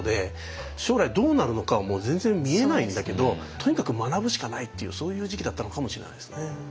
将来どうなるのかも全然見えないんだけどとにかく学ぶしかないっていうそういう時期だったのかもしれないですね。